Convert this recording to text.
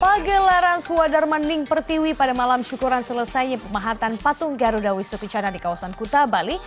pagelaran suadarman ning pertiwi pada malam syukuran selesainya pemahatan patung garuda wisnu kencana di kawasan kuta bali